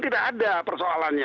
tidak ada persoalannya